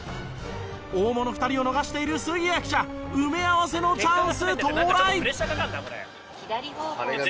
大物２人を逃している杉谷記者埋め合わせのチャンス到来！